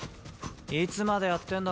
いつまでやってんだ